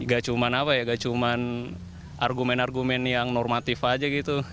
gak cuman argumen argumen yang normatif aja gitu